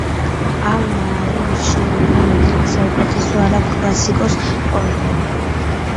ალ-მაარი მიჩნეულია ერთ-ერთ საუკეთესო არაბ კლასიკოს პოეტად.